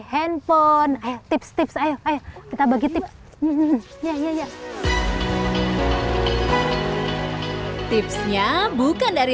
handphone tips tips saya kita bagi tips ya ya ya tipsnya bukan dari